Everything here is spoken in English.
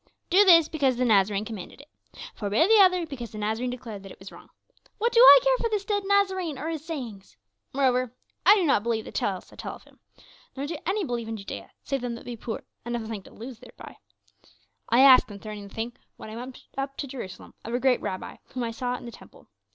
'Do this because the Nazarene commanded it. Forbear the other because the Nazarene declared that it was wrong.' What do I care for this dead Nazarene or his sayings? Moreover I do not believe the tales that they tell of him, nor do any believe in Judæa, save them that be poor and have nothing to lose thereby. I asked concerning the thing when I went up to Jerusalem of a great Rabbi, whom I saw in the temple.